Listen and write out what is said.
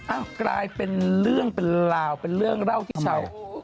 กลายเป็นเรื่องเป็นราวเป็นเรื่องเล่าที่ชาว